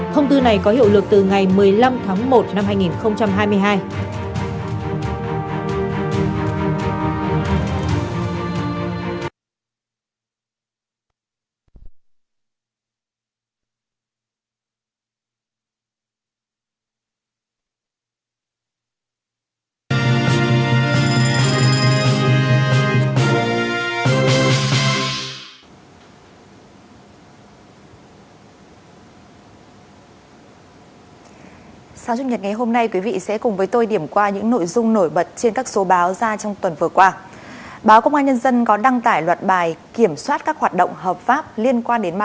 thông tư này có hiệu lực từ ngày một mươi năm tháng một năm hai nghìn hai mươi hai